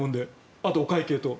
あとはお会計と。